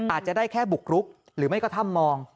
อาจจะได้แค่บุกรุกหรือไม่ก็ถ้ำมอง